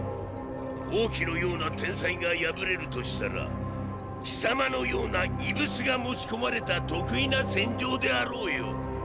王騎のような天才が敗れるとしたら貴様のような“異物”が持ち込まれた特異な戦場であろうよ。